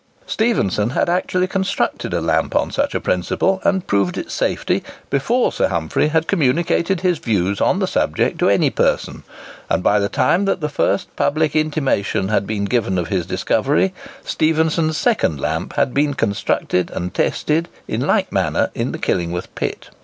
Stephenson had actually constructed a lamp on such a principle, and proved its safety, before Sir Humphry had communicated his views on the subject to any person; and by the time that the first public intimation had been given of his discovery, Stephenson's second lamp had been constructed and tested in like manner in the Killingworth pit.